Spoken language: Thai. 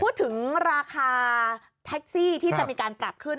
พูดถึงราคาแท็กซี่ที่จะมีการปรับขึ้น